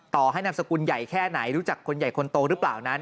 ให้นามสกุลใหญ่แค่ไหนรู้จักคนใหญ่คนโตหรือเปล่านั้น